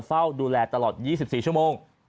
เฝ้าดูแลตลอดยี่สิบสิบชั่วโมง